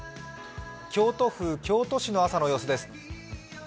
京都府京都市の朝の様子です。